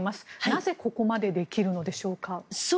なぜ、ここまでできるのでしょうか。